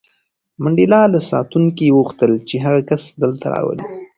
منډېلا له ساتونکي وغوښتل چې هغه کس دلته راولي.